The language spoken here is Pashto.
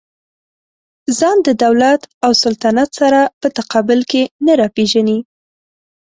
ځان د دولت او سلطنت سره په تقابل کې نه راپېژني.